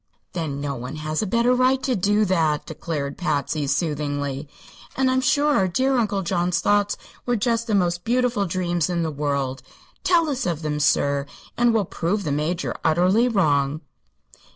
"Then no one has a better right to do that," declared Patsy, soothingly; "and I'm sure our dear Uncle John's thoughts were just the most beautiful dreams in the world. Tell us of them, sir, and we'll prove the Major utterly wrong."